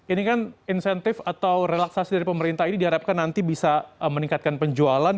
ini kan insentif atau relaksasi dari pemerintah ini diharapkan nanti bisa meningkatkan penjualan